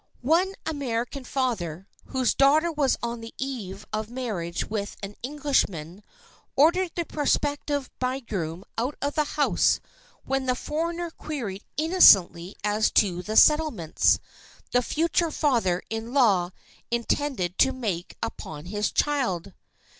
One American father, whose daughter was on the eve of marriage with an Englishman, ordered the prospective bridegroom out of the house when the foreigner queried innocently as to the "settlements" the future father in law intended to make upon his child.